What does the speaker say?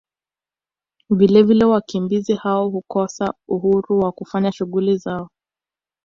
Vilevile wakimbizi hao hukosa Uhuru wa kufanya shughuli zao